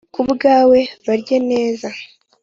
kubwawe barye neza.